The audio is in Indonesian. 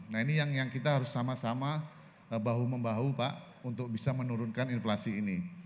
nah ini yang kita harus sama sama bahu membahu pak untuk bisa menurunkan inflasi ini